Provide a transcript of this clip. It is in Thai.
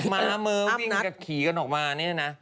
ม้ามือวิ่งกับขี่กันออกมาเนี่ยนะ